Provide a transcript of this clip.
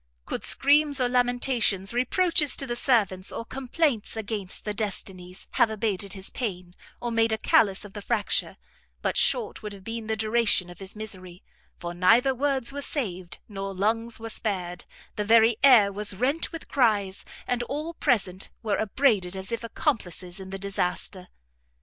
Could screams or lamentations, reproaches to the servants, or complaints against the Destinies, have abated his pain, or made a callus of the fracture, but short would have been the duration of his misery; for neither words were saved, nor lungs were spared, the very air was rent with cries, and all present were upbraided as if accomplices in the disaster.